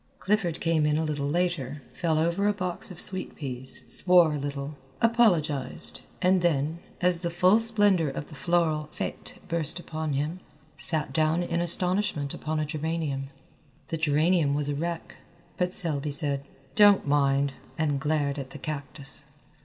Clifford came in a little later, fell over a box of sweet peas, swore a little, apologized, and then, as the full splendour of the floral fête burst upon him, sat down in astonishment upon a geranium. The geranium was a wreck, but Selby said, "Don't mind," and glared at the cactus.